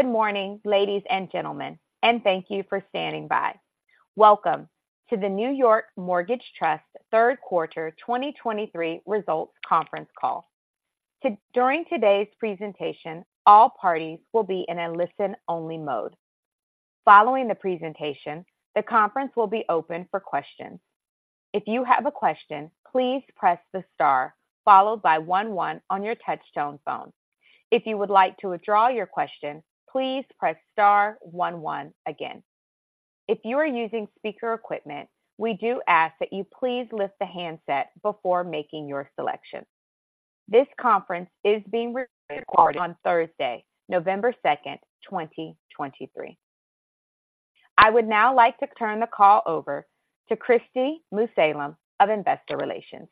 Good morning, ladies and gentlemen, and thank you for standing by. Welcome to the New York Mortgage Trust third quarter 2023 results conference call. During today's presentation, all parties will be in a listen-only mode. Following the presentation, the conference will be open for questions. If you have a question, please press the star followed by one one on your touchtone phone. If you would like to withdraw your question, please press star one one again. If you are using speaker equipment, we do ask that you please lift the handset before making your selection. This conference is being recorded on Thursday, November 2nd, 2023. I would now like to turn the call over to Kristi Mussallem of Investor Relations.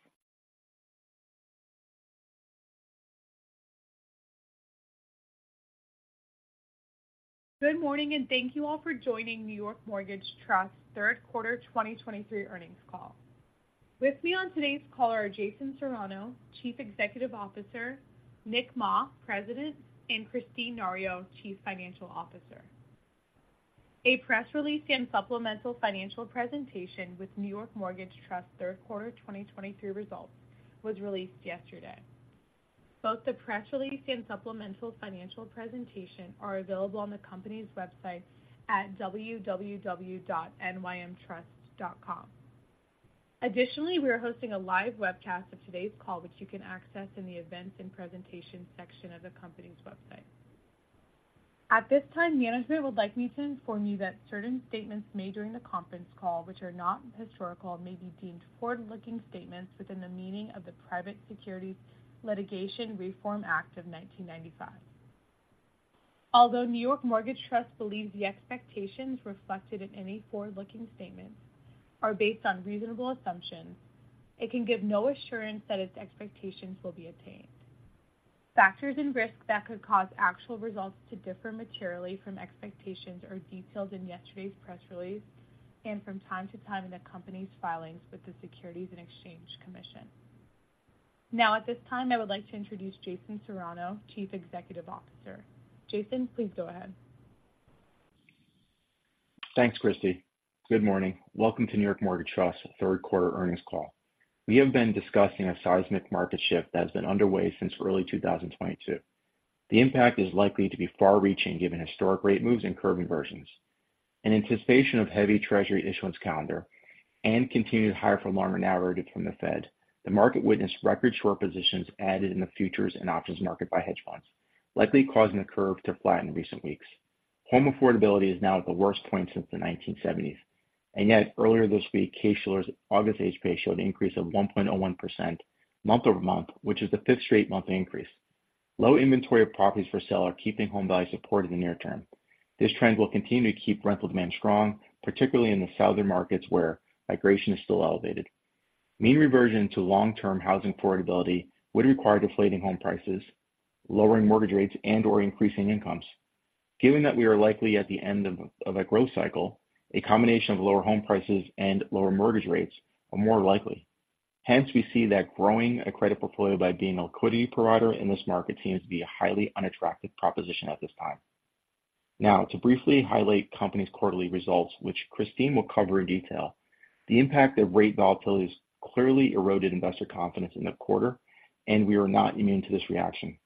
Good morning, and thank you all for joining New York Mortgage Trust third quarter 2023 earnings call. With me on today's call are Jason Serrano, Chief Executive Officer, Nick Mah, President, and Kristine Nario, Chief Financial Officer. A press release and supplemental financial presentation with New York Mortgage Trust third quarter 2023 results was released yesterday. Both the press release and supplemental financial presentation are available on the company's website at www.nymtrust.com. Additionally, we are hosting a live webcast of today's call, which you can access in the Events and Presentations section of the company's website. At this time, management would like me to inform you that certain statements made during the conference call, which are not historical, may be deemed forward-looking statements within the meaning of the Private Securities Litigation Reform Act of 1995. Although New York Mortgage Trust believes the expectations reflected in any forward-looking statements are based on reasonable assumptions, it can give no assurance that its expectations will be attained. Factors and risks that could cause actual results to differ materially from expectations are detailed in yesterday's press release and from time to time in the company's filings with the Securities and Exchange Commission. Now, at this time, I would like to introduce Jason Serrano, Chief Executive Officer. Jason, please go ahead. Thanks, Kristi. Good morning. Welcome to New York Mortgage Trust third quarter earnings call. We have been discussing a seismic market shift that has been underway since early 2022. The impact is likely to be far-reaching, given historic rate moves and curve inversions. In anticipation of heavy treasury issuance calendar and continued higher for longer narrative from the Fed, the market witnessed record short positions added in the futures and options market by hedge funds, likely causing the curve to flatten in recent weeks. Home affordability is now at the worst point since the 1970s, and yet earlier this week, Case-Shiller's August HPA showed an increase of 1.01% month-over-month, which is the fifth straight month increase. Low inventory of properties for sale are keeping home values supported in the near term. This trend will continue to keep rental demand strong, particularly in the southern markets where migration is still elevated. Mean reversion to long-term housing affordability would require deflating home prices, lowering mortgage rates, and/or increasing incomes. Given that we are likely at the end of a growth cycle, a combination of lower home prices and lower mortgage rates are more likely. Hence, we see that growing a credit portfolio by being a liquidity provider in this market seems to be a highly unattractive proposition at this time. Now, to briefly highlight the company's quarterly results, which Kristine will cover in detail. The impact of rate volatility has clearly eroded investor confidence in the quarter, and we are not immune to this reaction.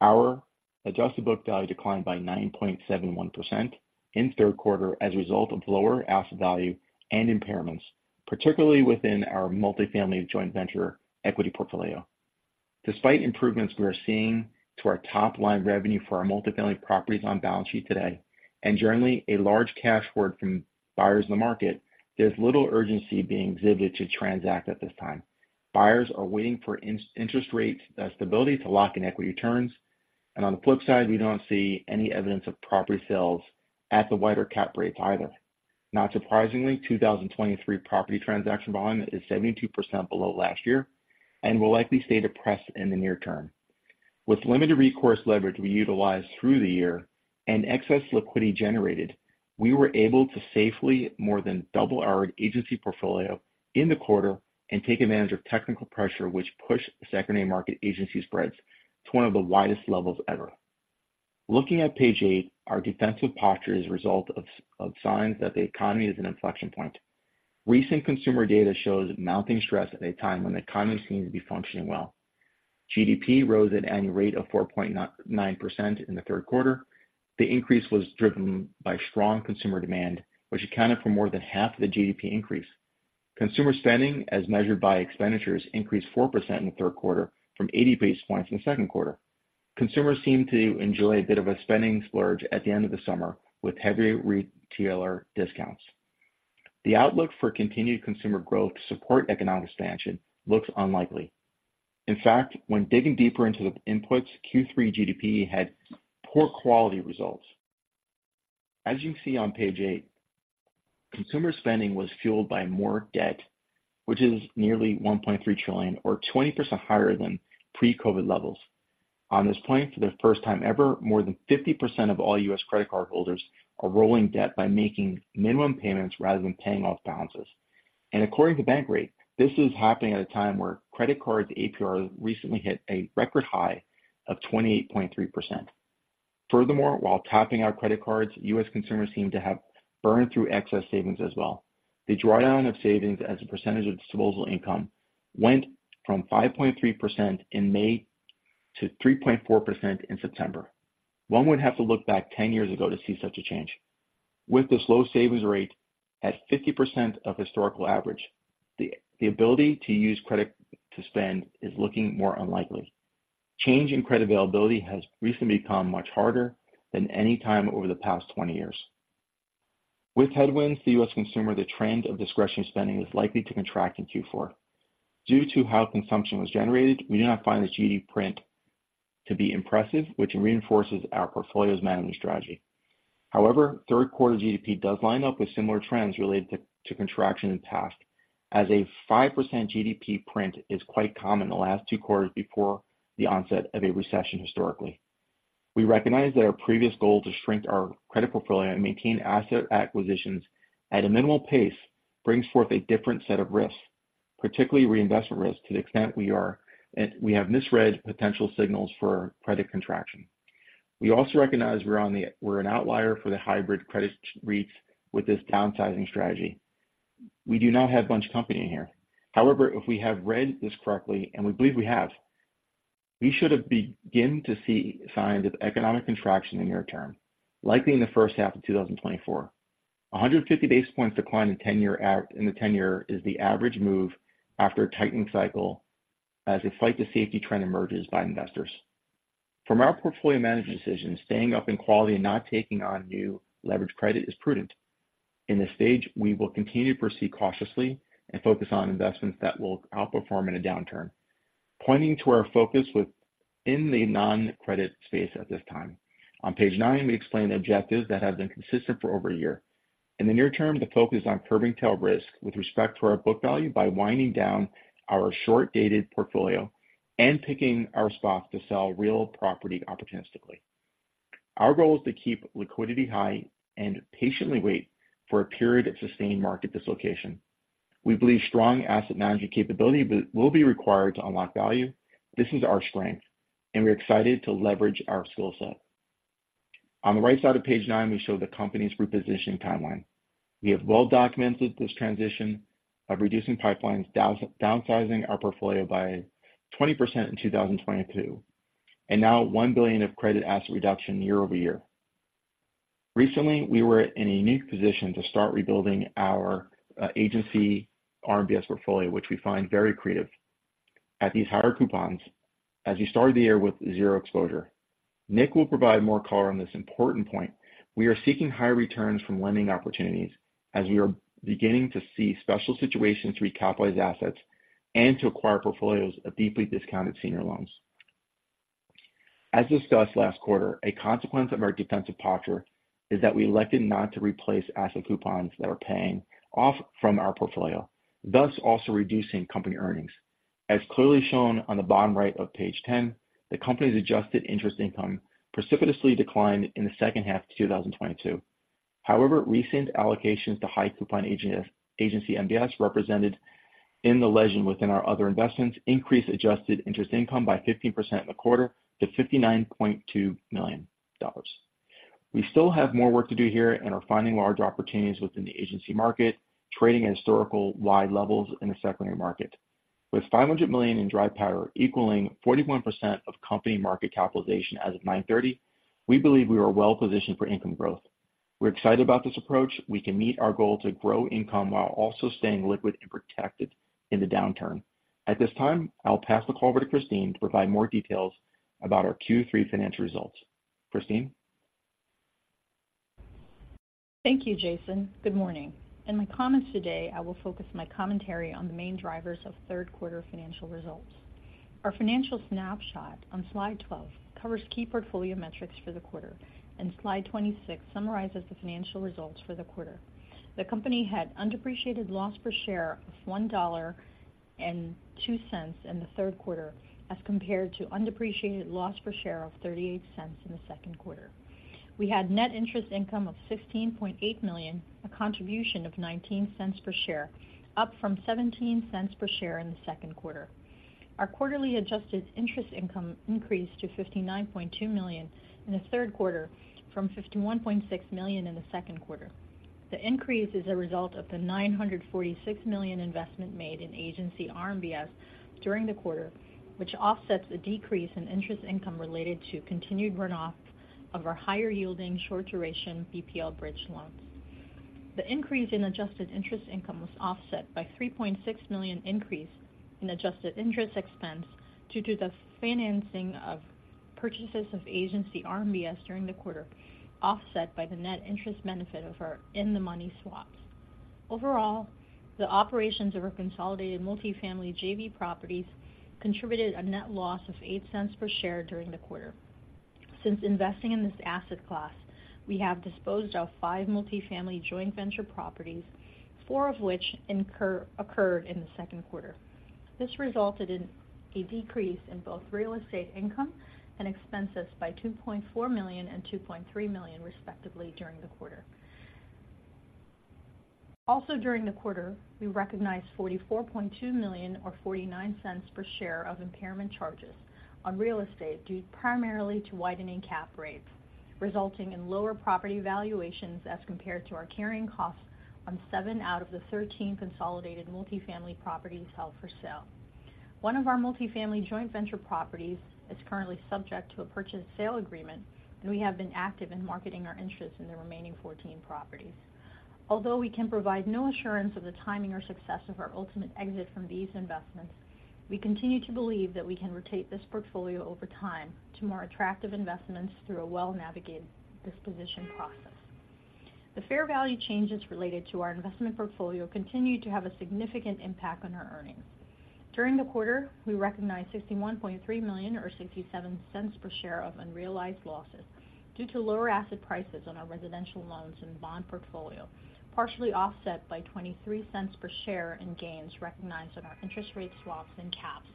Our adjusted book value declined by 9.71% in the third quarter as a result of lower asset value and impairments, particularly within our multi-family joint venture equity portfolio. Despite improvements we are seeing to our top-line revenue for our multi-family properties on balance sheet today, and generally a large cash flow from buyers in the market, there's little urgency being exhibited to transact at this time. Buyers are waiting for interest rate stability to lock in equity returns, and on the flip side, we don't see any evidence of property sales at the wider cap rate either. Not surprisingly, 2023 property transaction volume is 72% below last year and will likely stay depressed in the near term. With limited recourse leverage we utilized through the year and excess liquidity generated, we were able to safely more than double our agency portfolio in the quarter and take advantage of technical pressure, which pushed secondary market agency spreads to one of the widest levels ever. Looking at page eight, our defensive posture is a result of signs that the economy is an inflection point. Recent consumer data shows mounting stress at a time when the economy seems to be functioning well. GDP rose at an annual rate of 4.9% in the third quarter. The increase was driven by strong consumer demand, which accounted for more than half of the GDP increase. Consumer spending, as measured by expenditures, increased 4% in the third quarter from 80 basis points in the second quarter. Consumers seemed to enjoy a bit of a spending splurge at the end of the summer, with heavy retailer discounts. The outlook for continued consumer growth to support economic expansion looks unlikely. In fact, when digging deeper into the inputs, Q3 GDP had poor quality results. As you can see on page eight, consumer spending was fueled by more debt, which is nearly $1.3 trillion, or 20% higher than pre-COVID levels. On this point, for the first time ever, more than 50% of all U.S. credit cardholders are rolling debt by making minimum payments rather than paying off balances. And according to Bankrate, this is happening at a time where credit cards APR recently hit a record high of 28.3%. Furthermore, while topping our credit cards, U.S. consumers seem to have burned through excess savings as well. The drawdown of savings as a percentage of disposable income went from 5.3% in May to 3.4% in September. One would have to look back 10 years ago to see such a change. With this low savings rate at 50% of historical average, the ability to use credit to spend is looking more unlikely. Change in credit availability has recently become much harder than any time over the past 20 years. With headwinds, the U.S. consumer, the trend of discretionary spending is likely to contract in Q4. Due to how consumption was generated, we do not find the GDP print to be impressive, which reinforces our portfolio's management strategy. However, third quarter GDP does line up with similar trends related to contraction in the past, as a 5% GDP print is quite common in the last two quarters before the onset of a recession historically. We recognize that our previous goal to shrink our credit portfolio and maintain asset acquisitions at a minimal pace brings forth a different set of risks, particularly reinvestment risks, to the extent we have misread potential signals for credit contraction. We also recognize we're an outlier for the hybrid credit REITs with this downsizing strategy. We do not have much company in here. However, if we have read this correctly, and we believe we have, we should have begin to see signs of economic contraction in the near term, likely in the first half of 2024. 150 basis points decline in the 10-year is the average move after a tightening cycle as a flight to safety trend emerges by investors. From our portfolio management decisions, staying up in quality and not taking on new leveraged credit is prudent. In this stage, we will continue to proceed cautiously and focus on investments that will outperform in a downturn, pointing to our focus in the non-credit space at this time. On page nine, we explain the objectives that have been consistent for over a year. In the near term, the focus is on curbing tail risk with respect to our book value by winding down our short-dated portfolio and picking our spots to sell real property opportunistically. Our goal is to keep liquidity high and patiently wait for a period of sustained market dislocation. We believe strong asset management capability will be required to unlock value. This is our strength, and we're excited to leverage our skill set. On the right side of page nine, we show the company's repositioning timeline. We have well documented this transition of reducing pipelines, downsizing our portfolio by 20% in 2022, and now $1 billion of credit asset reduction year-over-year. Recently, we were in a unique position to start rebuilding our Agency RMBS portfolio, which we find very accretive at these higher coupons as we started the year with zero exposure. Nick will provide more color on this important point. We are seeking higher returns from lending opportunities as we are beginning to see special situations to recapitalize assets and to acquire portfolios of deeply discounted senior loans. As discussed last quarter, a consequence of our defensive posture is that we elected not to replace asset coupons that were paying off from our portfolio, thus also reducing company earnings. As clearly shown on the bottom right of page 10, the company's adjusted interest income precipitously declined in the second half of 2022. However, recent allocations to high coupon Agency MBS, represented in the legend within our other investments, increased adjusted interest income by 15% in the quarter to $59.2 million. We still have more work to do here and are finding large opportunities within the agency market, trading at historical wide levels in the secondary market. With $500 million in dry powder equaling 41% of company market capitalization as of 9/30, we believe we are well positioned for income growth. We're excited about this approach. We can meet our goal to grow income while also staying liquid and protected in the downturn. At this time, I'll pass the call over to Kristine to provide more details about our Q3 financial results. Kristine? Thank you, Jason. Good morning. In my comments today, I will focus my commentary on the main drivers of third quarter financial results. Our financial snapshot on slide 12 covers key portfolio metrics for the quarter, and slide 26 summarizes the financial results for the quarter. The company had undepreciated loss per share of $1.02 in the third quarter, as compared to undepreciated loss per share of $0.38 in the second quarter. We had net interest income of $16.8 million, a contribution of $0.19 per share, up from $0.17 per share in the second quarter. Our quarterly adjusted interest income increased to $59.2 million in the third quarter from $51.6 million in the second quarter. The increase is a result of the $946 million investment made in Agency RMBS during the quarter, which offsets the decrease in interest income related to continued runoff of our higher-yielding, short-duration BPL bridge loans. The increase in adjusted interest income was offset by $3.6 million increase in adjusted interest expense due to the financing of purchases of Agency RMBS during the quarter, offset by the net interest benefit of our in-the-money swaps. Overall, the operations of our consolidated multi-family JV properties contributed a net loss of $0.08 per share during the quarter. Since investing in this asset class, we have disposed of five multi-family joint venture properties, four of which occurred in the second quarter. This resulted in a decrease in both real estate income and expenses by $2.4 million and $2.3 million, respectively, during the quarter. Also, during the quarter, we recognized $44.2 million, or $0.49 per share, of impairment charges on real estate, due primarily to widening cap rates, resulting in lower property valuations as compared to our carrying costs on seven out of the 13 consolidated multi-family properties held for sale. One of our multi-family joint venture properties is currently subject to a purchase sale agreement, and we have been active in marketing our interests in the remaining 14 properties. Although we can provide no assurance of the timing or success of our ultimate exit from these investments, we continue to believe that we can rotate this portfolio over time to more attractive investments through a well-navigated disposition process. The fair value changes related to our investment portfolio continued to have a significant impact on our earnings. During the quarter, we recognized $61.3 million, or $0.67 per share, of unrealized losses due to lower asset prices on our residential loans and bond portfolio, partially offset by $0.23 per share in gains recognized on our interest rate swaps and caps.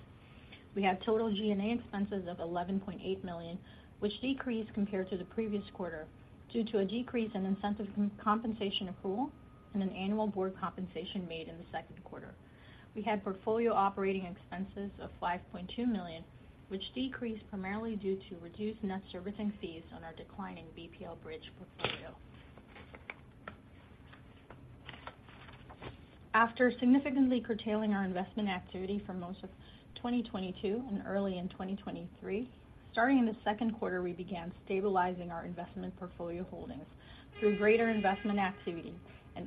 We had total G&A expenses of $11.8 million, which decreased compared to the previous quarter due to a decrease in incentive compensation accrual and an annual board compensation made in the second quarter. We had portfolio operating expenses of $5.2 million, which decreased primarily due to reduced net servicing fees on our declining BPL-Bridge portfolio. After significantly curtailing our investment activity for most of 2022 and early in 2023, starting in the second quarter, we began stabilizing our investment portfolio holdings through greater investment activity.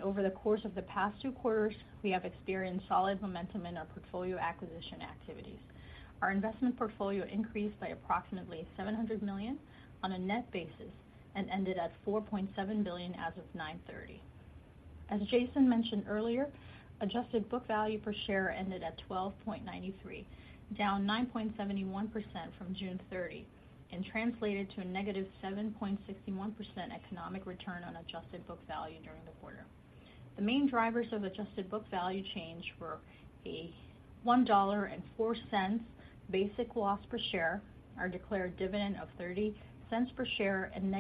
Over the course of the past two quarters, we have experienced solid momentum in our portfolio acquisition activities. Our investment portfolio increased by approximately $700 million on a net basis and ended at $4.7 billion as of 9/30. As Jason mentioned earlier, adjusted book value per share ended at $12.93, down 9.71% from June 30, and translated to a -7.61% economic return on adjusted book value during the quarter. The main drivers of adjusted book value change were a $1.04 basic loss per share, our declared dividend of $0.30 per share, and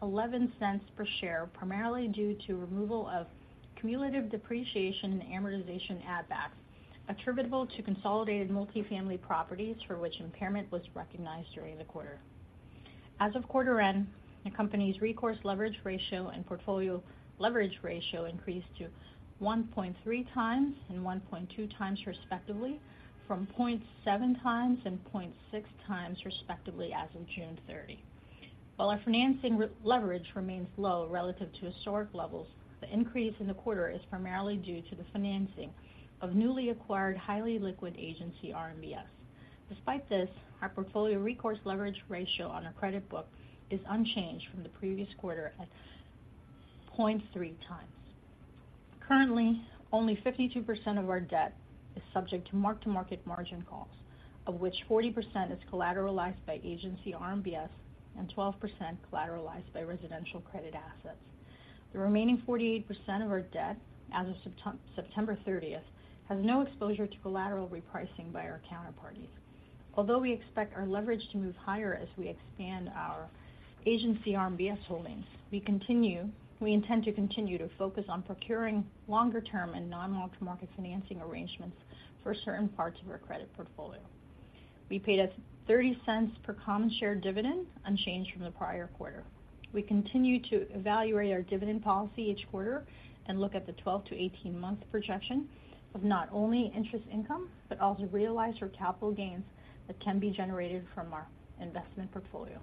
$-0.11 per share, primarily due to removal of cumulative depreciation and amortization add backs attributable to consolidated multi-family properties for which impairment was recognized during the quarter. As of quarter end, the company's recourse leverage ratio and portfolio leverage ratio increased to 1.3x and 1.2x, respectively, from 0.7x and 0.6x, respectively, as of June 30. While our financing leverage remains low relative to historic levels, the increase in the quarter is primarily due to the financing of newly acquired, highly liquid Agency RMBS. Despite this, our portfolio recourse leverage ratio on our credit book is unchanged from the previous quarter at 0.3x. Currently, only 52% of our debt is subject to mark-to-market margin calls, of which 40% is collateralized by Agency RMBS and 12% collateralized by residential credit assets. The remaining 48% of our debt as of September 30th, has no exposure to collateral repricing by our counterparties. Although we expect our leverage to move higher as we expand our Agency RMBS holdings, we intend to continue to focus on procuring longer-term and non-mark-to-market financing arrangements for certain parts of our credit portfolio. We paid a $0.30 per common share dividend, unchanged from the prior quarter. We continue to evaluate our dividend policy each quarter and look at the 12-18-month projection of not only interest income, but also realize our capital gains that can be generated from our investment portfolio.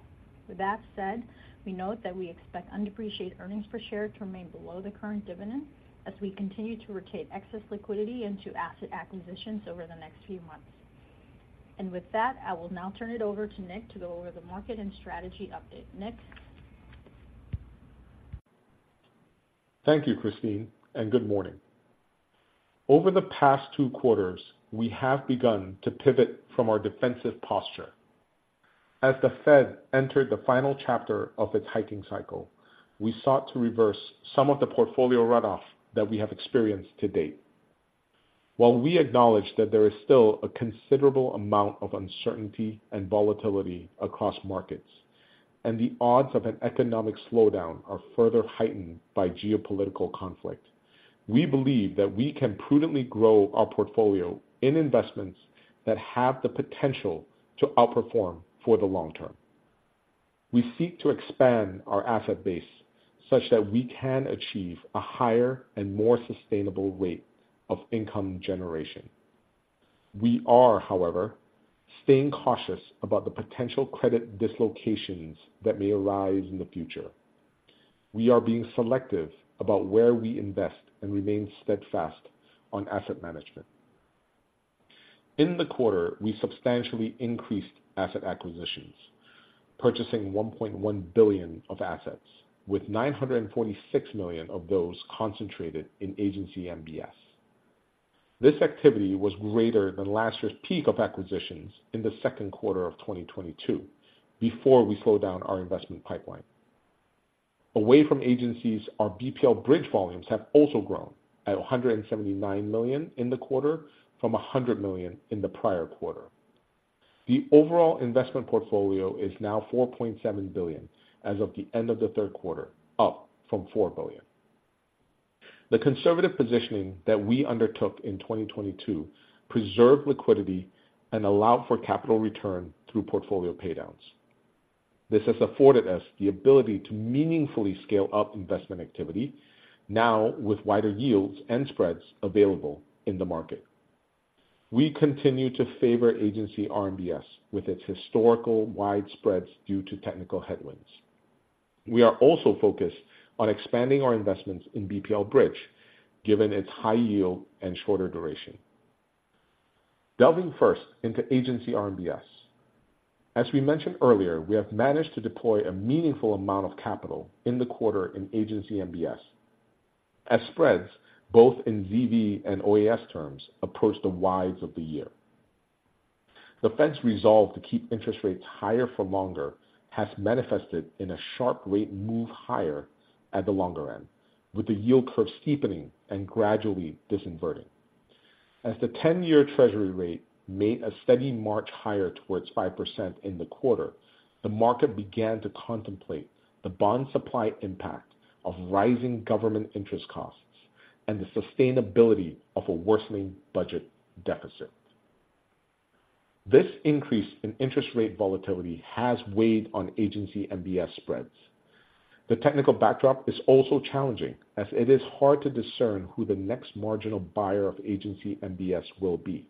With that said, we note that we expect undepreciated earnings per share to remain below the current dividend as we continue to rotate excess liquidity into asset acquisitions over the next few months. And with that, I will now turn it over to Nick to go over the market and strategy update. Nick? Thank you, Kristine, and good morning. Over the past two quarters, we have begun to pivot from our defensive posture. As the Fed entered the final chapter of its hiking cycle, we sought to reverse some of the portfolio runoff that we have experienced to date. While we acknowledge that there is still a considerable amount of uncertainty and volatility across markets, and the odds of an economic slowdown are further heightened by geopolitical conflict, we believe that we can prudently grow our portfolio in investments that have the potential to outperform for the long term. We seek to expand our asset base such that we can achieve a higher and more sustainable rate of income generation. We are, however, staying cautious about the potential credit dislocations that may arise in the future. We are being selective about where we invest and remain steadfast on asset management. In the quarter, we substantially increased asset acquisitions, purchasing $1.1 billion of assets, with $946 million of those concentrated in Agency MBS. This activity was greater than last year's peak of acquisitions in the second quarter of 2022, before we slowed down our investment pipeline. Away from agencies, our BPL-Bridge volumes have also grown at $179 million in the quarter from $100 million in the prior quarter. The overall investment portfolio is now $4.7 billion as of the end of the third quarter, up from $4 billion. The conservative positioning that we undertook in 2022 preserved liquidity and allowed for capital return through portfolio paydowns. This has afforded us the ability to meaningfully scale up investment activity now with wider yields and spreads available in the market. We continue to favor Agency RMBS, with its historical wide spreads due to technical headwinds. We are also focused on expanding our investments in BPL-Bridge, given its high yield and shorter duration. Delving first into Agency RMBS. As we mentioned earlier, we have managed to deploy a meaningful amount of capital in the quarter in Agency MBS, as spreads, both in ZV and OAS terms, approach the wides of the year. The Fed's resolve to keep interest rates higher for longer has manifested in a sharp rate move higher at the longer end, with the yield curve steepening and gradually disinverting. As the 10-year treasury rate made a steady march higher towards 5% in the quarter, the market began to contemplate the bond supply impact of rising government interest costs and the sustainability of a worsening budget deficit. This increase in interest rate volatility has weighed on Agency MBS spreads. The technical backdrop is also challenging, as it is hard to discern who the next marginal buyer of Agency MBS will be.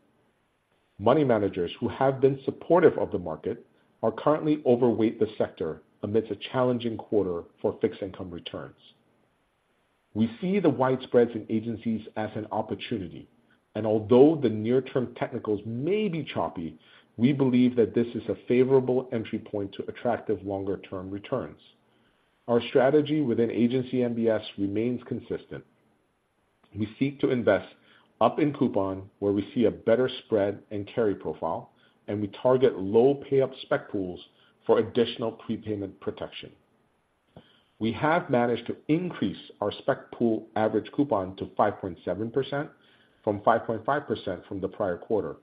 Money managers who have been supportive of the market are currently overweight the sector amidst a challenging quarter for fixed income returns. We see the wide spreads in agencies as an opportunity, and although the near-term technicals may be choppy, we believe that this is a favorable entry point to attractive longer-term returns. Our strategy within Agency MBS remains consistent. We seek to invest up in coupon, where we see a better spread and carry profile, and we target low payup spec pools for additional prepayment protection. We have managed to increase our spec pool average coupon to 5.7% from 5.5% from the prior quarter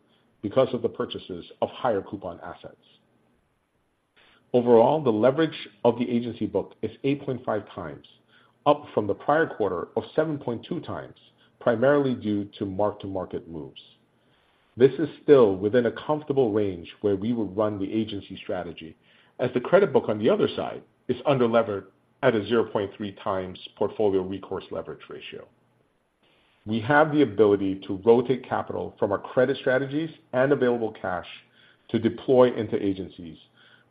because of the purchases of higher coupon assets. Overall, the leverage of the agency book is 8.5x, up from the prior quarter of 7.2x, primarily due to mark-to-market moves. This is still within a comfortable range where we would run the agency strategy, as the credit book on the other side is under-levered at a 0.3x portfolio recourse leverage ratio. We have the ability to rotate capital from our credit strategies and available cash to deploy into agencies,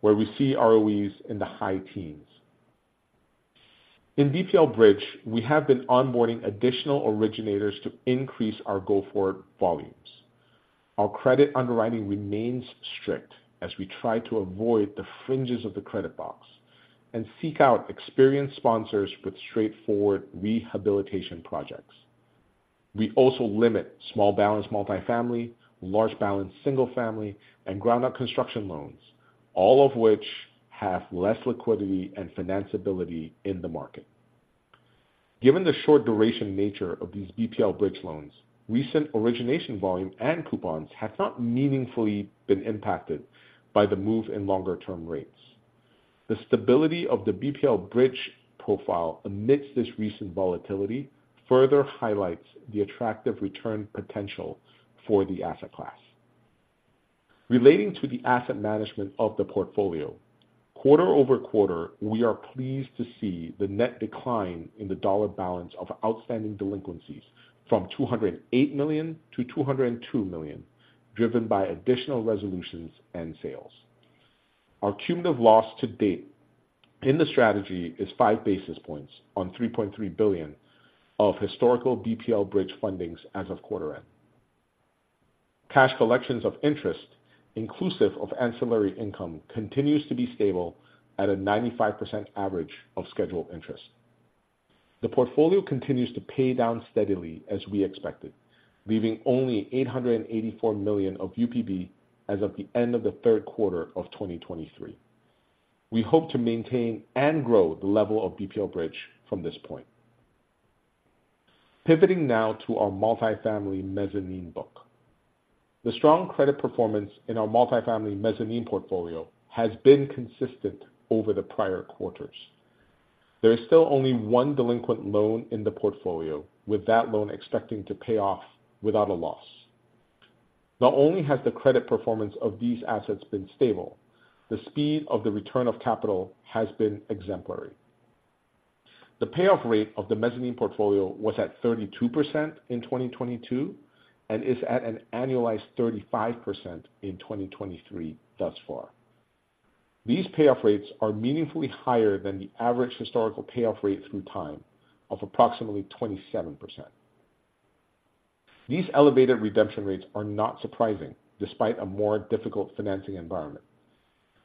where we see ROEs in the high teens. In BPL-Bridge, we have been onboarding additional originators to increase our go-forward volumes. Our credit underwriting remains strict as we try to avoid the fringes of the credit box and seek out experienced sponsors with straightforward rehabilitation projects. We also limit small-balance multi-family, large-balance single-family, and ground-up construction loans, all of which have less liquidity and financeability in the market. Given the short duration nature of these BPL-Bridge loans, recent origination volume and coupons have not meaningfully been impacted by the move in longer-term rates. The stability of the BPL-Bridge profile amidst this recent volatility further highlights the attractive return potential for the asset class. Relating to the asset management of the portfolio, quarter-over-quarter, we are pleased to see the net decline in the dollar balance of outstanding delinquencies from $208 million to $202 million, driven by additional resolutions and sales. Our cumulative loss to date in the strategy is 5 basis points on $3.3 billion of historical BPL-Bridge fundings as of quarter-end. Cash collections of interest, inclusive of ancillary income, continues to be stable at a 95% average of scheduled interest. The portfolio continues to pay down steadily as we expected, leaving only $884 million of UPB as of the end of the third quarter of 2023. We hope to maintain and grow the level of BPL-Bridge from this point. Pivoting now to our multi-family mezzanine book. The strong credit performance in our multi-family mezzanine portfolio has been consistent over the prior quarters. There is still only one delinquent loan in the portfolio, with that loan expecting to pay off without a loss. Not only has the credit performance of these assets been stable, the speed of the return of capital has been exemplary. The payoff rate of the mezzanine portfolio was at 32% in 2022 and is at an annualized 35% in 2023 thus far. These payoff rates are meaningfully higher than the average historical payoff rate through time of approximately 27%. These elevated redemption rates are not surprising, despite a more difficult financing environment.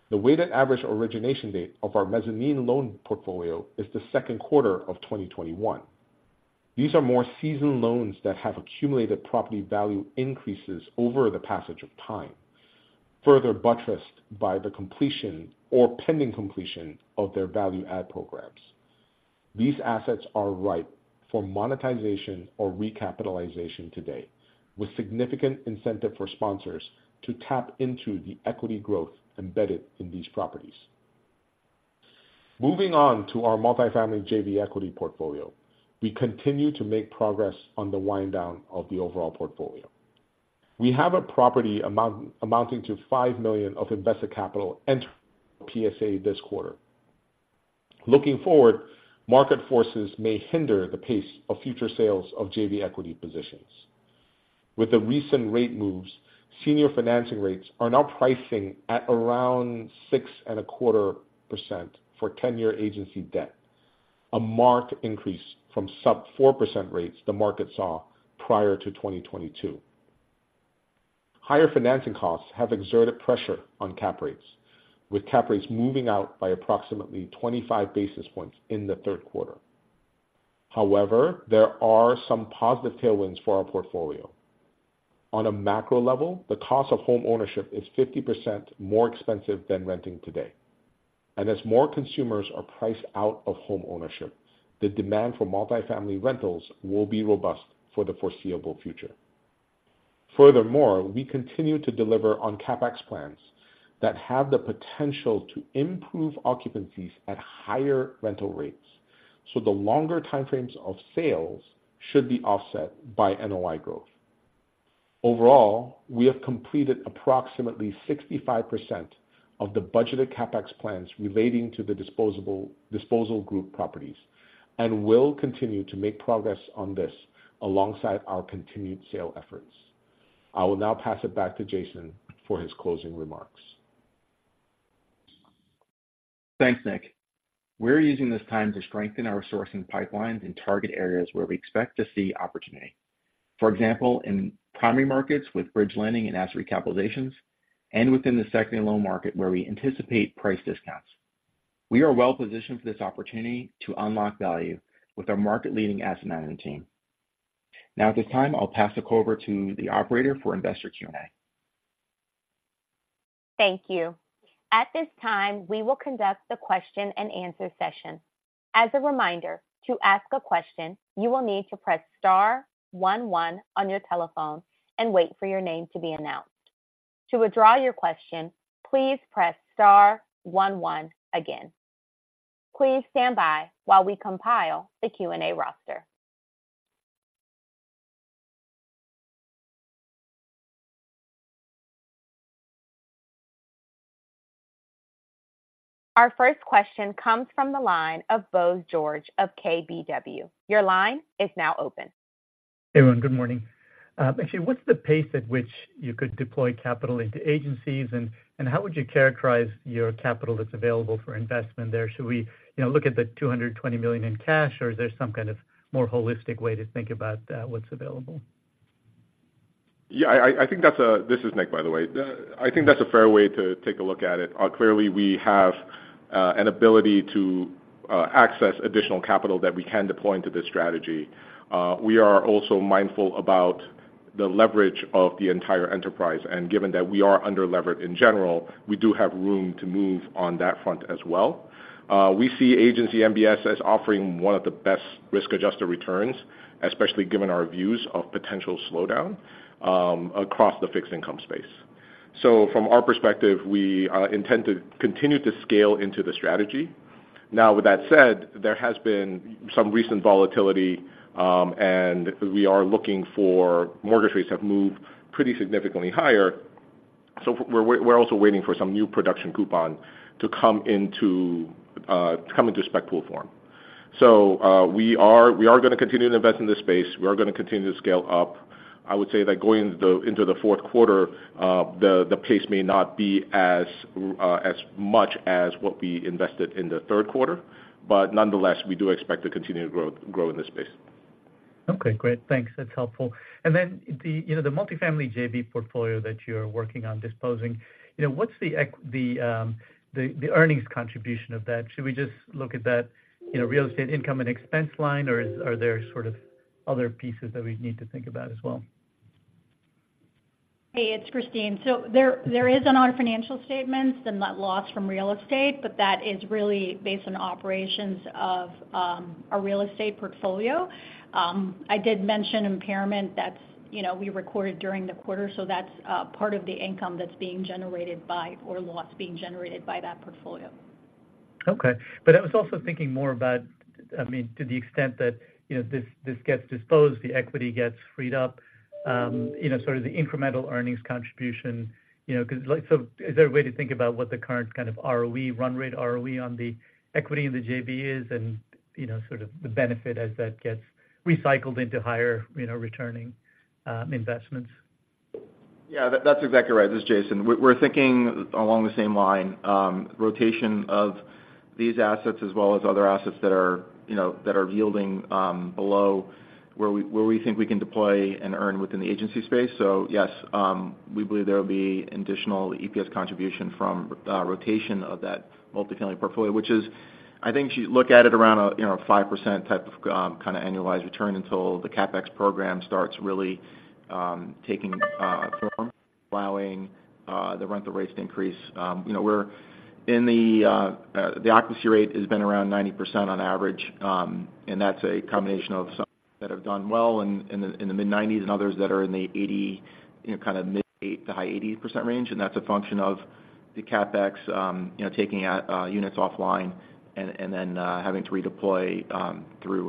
The weighted average origination date of our mezzanine loan portfolio is the second quarter of 2021. These are more seasoned loans that have accumulated property value increases over the passage of time, further buttressed by the completion or pending completion of their value add programs. These assets are ripe for monetization or recapitalization today, with significant incentive for sponsors to tap into the equity growth embedded in these properties. Moving on to our multi-family JV equity portfolio, we continue to make progress on the wind down of the overall portfolio. We have a property amounting to $5 million of invested capital enter PSA this quarter. Looking forward, market forces may hinder the pace of future sales of JV equity positions. With the recent rate moves, senior financing rates are now pricing at around 6.25% for 10-year agency debt, a marked increase from sub-4% rates the market saw prior to 2022. Higher financing costs have exerted pressure on cap rates, with cap rates moving out by approximately 25 basis points in the third quarter. However, there are some positive tailwinds for our portfolio. On a macro level, the cost of homeownership is 50% more expensive than renting today, and as more consumers are priced out of homeownership, the demand for multi-family rentals will be robust for the foreseeable future. Furthermore, we continue to deliver on CapEx plans that have the potential to improve occupancies at higher rental rates, so the longer time frames of sales should be offset by NOI growth. Overall, we have completed approximately 65% of the budgeted CapEx plans relating to the disposal group properties and will continue to make progress on this alongside our continued sale efforts. I will now pass it back to Jason for his closing remarks. Thanks, Nick. We're using this time to strengthen our sourcing pipelines in target areas where we expect to see opportunity. For example, in primary markets with bridge lending and asset recapitalizations, and within the second lien loan market, where we anticipate price discounts. We are well positioned for this opportunity to unlock value with our market-leading asset management team. Now, at this time, I'll pass the call over to the operator for investor Q&A. Thank you. At this time, we will conduct the question-and-answer session. As a reminder, to ask a question, you will need to press star one one on your telephone and wait for your name to be announced. To withdraw your question, please press star one one again. Please stand by while we compile the Q&A roster. Our first question comes from the line of Bose George of KBW. Your line is now open. Hey, everyone, good morning. Actually, what's the pace at which you could deploy capital into agencies? And, and how would you characterize your capital that's available for investment there? Should we, you know, look at the $220 million in cash, or is there some kind of more holistic way to think about what's available? Yeah, this is Nick, by the way. I think that's a fair way to take a look at it. Clearly, we have an ability to access additional capital that we can deploy into this strategy. We are also mindful about the leverage of the entire enterprise, and given that we are under-levered in general, we do have room to move on that front as well. We see Agency MBS as offering one of the best risk-adjusted returns, especially given our views of potential slowdown across the fixed income space. So from our perspective, we intend to continue to scale into the strategy. Now, with that said, there has been some recent volatility, and we are looking for mortgage rates have moved pretty significantly higher, so we're also waiting for some new production coupon to come into spec pool form. So, we are going to continue to invest in this space. We are going to continue to scale up. I would say that going into the fourth quarter, the pace may not be as much as what we invested in the third quarter, but nonetheless, we do expect to continue to grow in this space. Okay, great. Thanks. That's helpful. And then the, you know, the multi-family JV portfolio that you're working on disposing, you know, what's the earnings contribution of that? Should we just look at that, you know, real estate income and expense line, or are there sort of other pieces that we need to think about as well? Hey, it's Kristine. So there is on our financial statements the net loss from real estate, but that is really based on operations of our real estate portfolio. I did mention impairment that's, you know, we recorded during the quarter, so that's part of the income that's being generated by or loss being generated by that portfolio. Okay. But I was also thinking more about, I mean, to the extent that, you know, this, this gets disposed, the equity gets freed up, you know, sort of the incremental earnings contribution, you know, because, like, so is there a way to think about what the current kind of ROE, run rate ROE on the equity in the JV is and, you know, sort of the benefit as that gets recycled into higher, you know, returning investments? Yeah, that's exactly right. This is Jason. We're thinking along the same line, rotation of these assets as well as other assets that are, you know, that are yielding, below where we think we can deploy and earn within the agency space. So yes, we believe there will be additional EPS contribution from, rotation of that multi-family portfolio, which is, I think, if you look at it around a, you know, a 5% type of, kind of annualized return until the CapEx program starts really, taking form, allowing, the rental rates to increase. You know, we're in the occupancy rate has been around 90% on average, and that's a combination of some that have done well in the mid-90s and others that are in the 80s, you know, kind of mid to high-80% range, and that's a function of the CapEx, you know, taking units offline and then having to redeploy through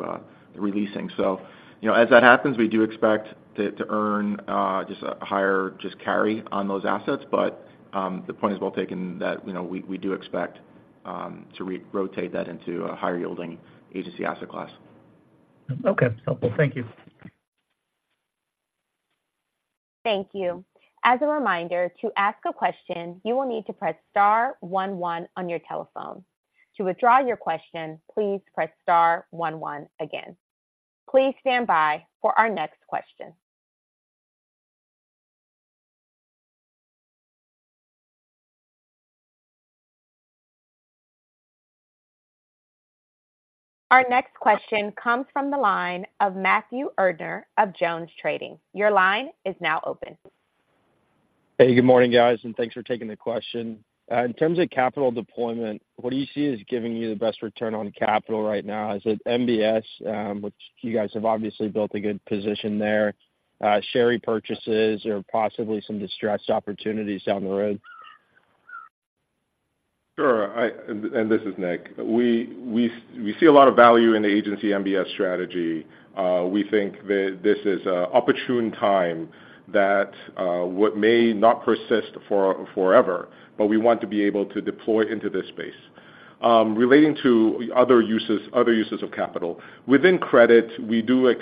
the releasing. So, you know, as that happens, we do expect to earn just a higher just carry on those assets. But the point is well taken that, you know, we do expect to re-rotate that into a higher yielding agency asset class. Okay, helpful. Thank you. Thank you. As a reminder, to ask a question, you will need to press star one one on your telephone. To withdraw your question, please press star one one again. Please stand by for our next question. Our next question comes from the line of Matthew Erdner of JonesTrading. Your line is now open. Hey, good morning, guys, and thanks for taking the question. In terms of capital deployment, what do you see as giving you the best return on capital right now? Is it MBS, which you guys have obviously built a good position there, share repurchases, or possibly some distressed opportunities down the road? Sure, and this is Nick. We see a lot of value in the Agency MBS strategy. We think that this is an opportune time that what may not persist forever, but we want to be able to deploy into this space. Relating to other uses of capital. Within credit, we do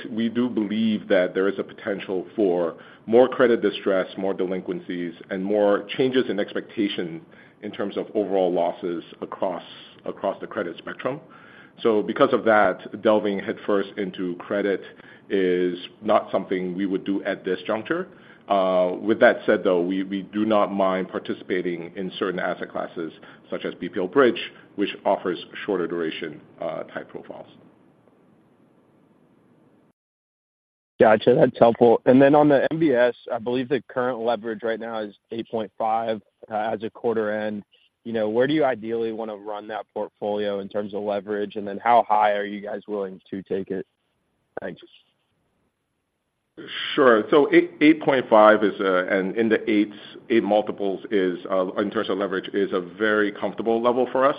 believe that there is a potential for more credit distress, more delinquencies, and more changes in expectation in terms of overall losses across the credit spectrum. So because of that, delving headfirst into credit is not something we would do at this juncture. With that said, though, we do not mind participating in certain asset classes such as BPL Bridge, which offers shorter duration type profiles. Gotcha, that's helpful. And then on the MBS, I believe the current leverage right now is 8.5x as a quarter end. You know, where do you ideally want to run that portfolio in terms of leverage? And then how high are you guys willing to take it? Thanks. Sure. So 8x, 8.5x is a and in the 8s, 8x is, in terms of leverage, a very comfortable level for us.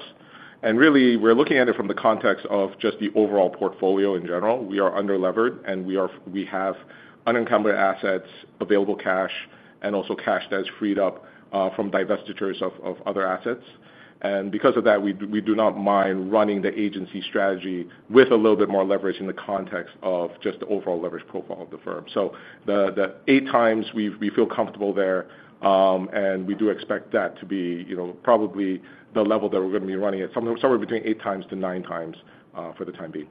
And really, we're looking at it from the context of just the overall portfolio in general. We are under-levered, and we have unencumbered assets, available cash, and also cash that is freed up, from divestitures of other assets. And because of that, we do, we do not mind running the agency strategy with a little bit more leverage in the context of just the overall leverage profile of the firm. So the, the 8x we, we feel comfortable there, and we do expect that to be, you know, probably the level that we're going to be running it, somewhere, somewhere between 8x-9x, for the time being.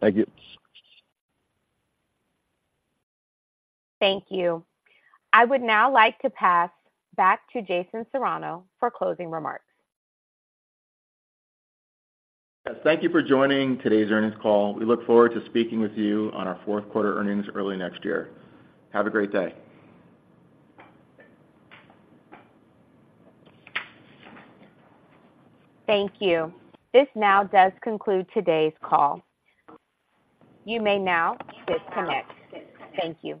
Thank you. Thank you. I would now like to pass back to Jason Serrano for closing remarks. Thank you for joining today's earnings call. We look forward to speaking with you on our fourth quarter earnings early next year. Have a great day. Thank you. This now does conclude today's call. You may now disconnect. Thank you.